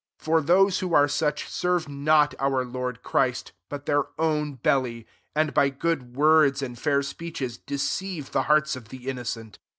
18 For those who are such, serve not our Lord Christ, iDut their own belly; and by good words, and fair speeches, deceive the hearts of the innocent.